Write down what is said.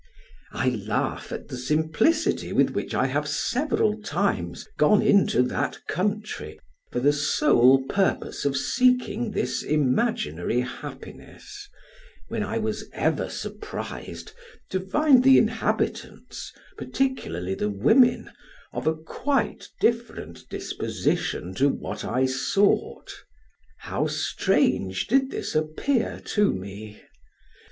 I laugh at the simplicity with which I have several times gone into that country for the sole purpose of seeking this imaginary happiness when I was ever surprised to find the inhabitants, particularly the women, of a quite different disposition to what I sought. How strange did this appear to me!